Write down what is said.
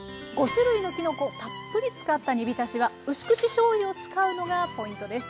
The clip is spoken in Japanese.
５種類のきのこたっぷり使った煮びたしはうす口しょうゆを使うのがポイントです。